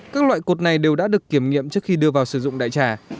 các loại cột này đều đã được kiểm nghiệm trước khi đưa vào sử dụng đại trà